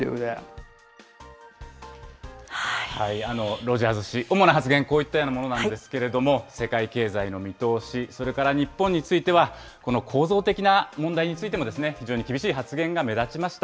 ロジャーズ氏、主な発言、こういったようなものなんですけれども、世界経済の見通し、それから日本については、この構造的な問題についても非常に厳しい発言が目立ちました。